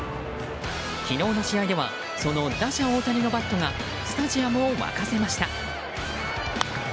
昨日の試合ではその打者・大谷のバットがスタジアムを沸かせました。